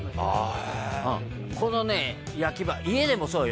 「このね焼き場家でもそうよ」